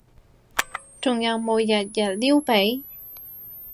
仲有冇日日撩鼻？